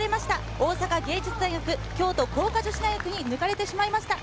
大阪芸術大学、京都光華女子大学に抜かれてしまいました。